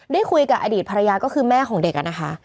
ได้คุยกับอดีตภรรยาก็คือแม่ของเด็กนะคะ